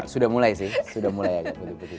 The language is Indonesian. sudah mulai sih sudah mulai aja